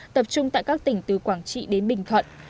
tập trung tại các tỉnh từ quảng trị đến bình thuận